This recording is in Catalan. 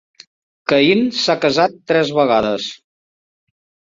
Cain s'ha casat tres vegades.